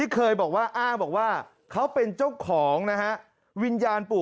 เคยบอกว่าอ้างบอกว่าเขาเป็นเจ้าของนะฮะวิญญาณปู่